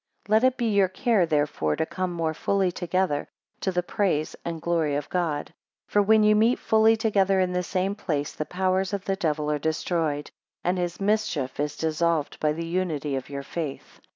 11 Let it be your care therefore to come more fully together, to the praise and glory of God; for when ye meet fully together in the same place, the powers of the devil are destroyed, and his mischief is dissolved by the unity of your faith.